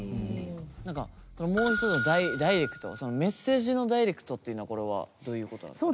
もう一つのダイレクトそのメッセージのダイレクトっていうのはこれはどういうことですか？